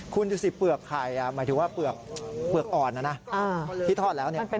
คุณดูสิเปลือกไข่หมายถึงว่าเปลือกอ่อนนะนะที่ทอดแล้วเนี่ย